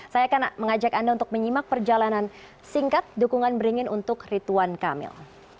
saya akan mengajak anda untuk menyimak perjalanan singkat dukungan beringin untuk rituan kamil